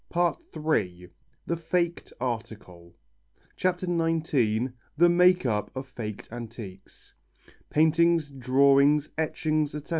PART III THE FAKED ARTICLE CHAPTER XIX THE MAKE UP OF FAKED ANTIQUES Paintings, drawings, etchings, etc.